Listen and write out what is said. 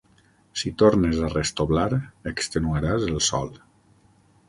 Si tornes a restoblar, extenuaràs el sòl.